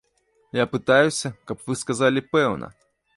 Я пытаюся, каб вы сказалі пэўна!